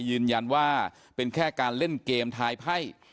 ยืนยันว่าเป็นแค่การเล่นเกมทายไพ่